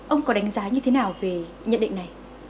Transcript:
ông có đánh giá như thế nào về nhận định này